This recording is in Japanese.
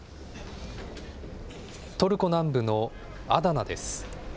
トルコ南部のアダナです。